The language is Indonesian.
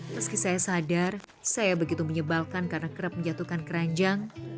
meski saya sadar saya begitu menyebalkan karena kerap menjatuhkan keranjang